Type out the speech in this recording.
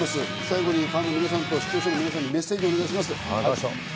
最後にファンの皆さん、視聴者の皆さんにメッセージをお願いします。